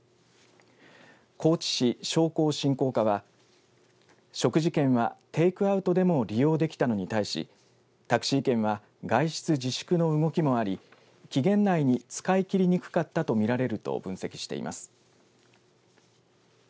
高知市商工振興課は食事券はテイクアウトでも利用できたのに対しタクシー券は外出自粛の動きもあり期限内に使い切りにくかったとみられると分析しています。